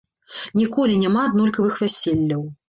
Ніколі няма аднолькавых вяселляў.